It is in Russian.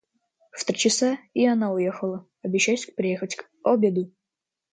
В три часа и она уехала, обещаясь приехать к обеду.